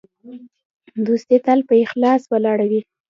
دوستي تل په اخلاص ولاړه وي.